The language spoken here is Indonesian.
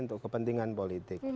untuk kepentingan politik